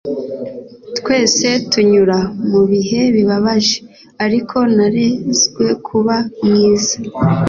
twese tunyura mu bihe bibabaje, ariko narezwe kuba mwiza